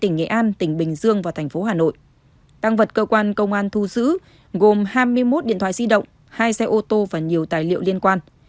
gồm hai mươi một điện thoại di động hai xe ô tô và nhiều tài liệu liên quan